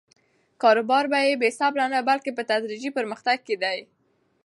کاروبار په بې صبري نه، بلکې په تدریجي پرمختګ کې دی.